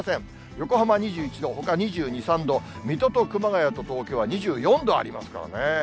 横浜２１度、ほか２２、３度、水戸と熊谷と東京は２４度ありますからね。